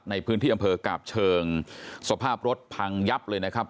ในพื้นที่อำเภอกาบเชิงสภาพรถพังยับเลยนะครับ